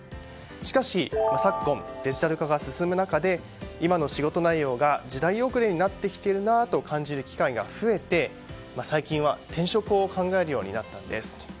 しかし、昨今デジタル化が進む中で今の仕事内容が時代遅れになってきているなと感じる機会が増えて最近は転職を考えるようになったんです。